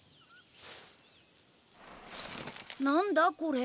何だこれ！？